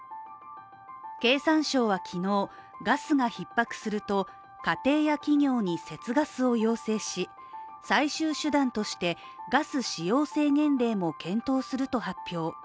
経産省は昨日、ガスがひっ迫すると家庭や企業に節ガスを要請し最終手段として、ガス使用制限令も検討すると発表。